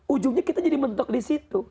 ujungnya kita jadi mentok di situ